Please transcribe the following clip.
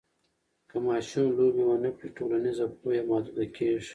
که ماشوم لوبې ونه کړي، ټولنیزه پوهه یې محدوده کېږي.